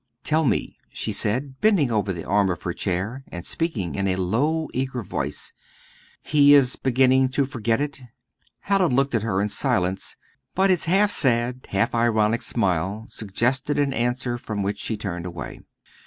"Tell me," she said, bending over the arm of her chair and speaking in a low, eager voice, "he is beginning to forget it?" Hallin looked at her in silence, but his half sad, half ironic smile suggested an answer from which she turned away.